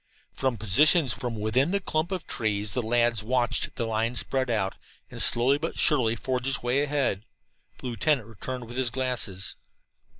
From positions within the clump of trees the lads watched the line spread out and slowly but surely forge its way ahead. The lieutenant returned with his glasses.